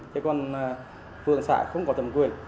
chứ còn phường xã không có thẩm quyền